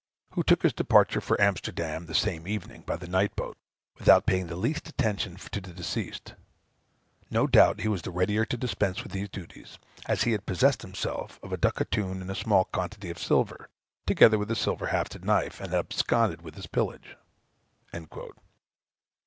who took his departure for Amsterdam the same evening, by the night boat, without paying the least attention to the deceased. No doubt he was the readier to dispense with these duties, as he had possessed himself of a ducatoon and a small quantity of silver, together with a silver hafted knife, and had absconded with his pillage."